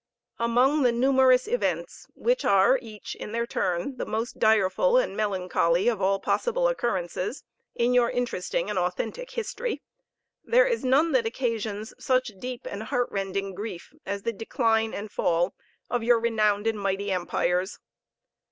Among the numerous events, which are each in their turn the most direful and melancholy of all possible occurrences, in your interesting and authentic history, there is none that occasions such deep and heart rending grief as the decline and fall of your renowned and mighty empires.